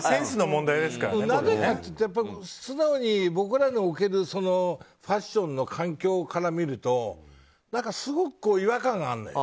なぜかというと、素直に僕らが受けるファッションの環境からみるとすごく違和感があるのよ。